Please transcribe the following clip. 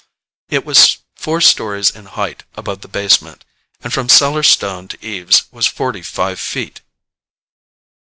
It was four stories in height above the basement, and from cellar stone to eaves was forty five feet.